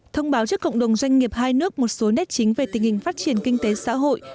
thông báo cho cộng đồng doanh nghiệp hai nước một số nét chính về tình hình phát triển kinh tế xã hội